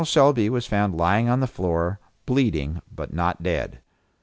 Selby was found lying on the floor, bleeding, but not dead.